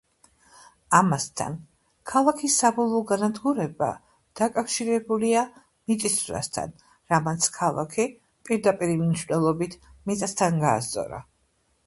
ამასთან, ქალაქის საბოლოო განადგურება დაკავშირებულია მიწისძვრასთან, რამაც ქალაქი პირდაპირი მნიშვნელობით მიწასთან გაასწორა.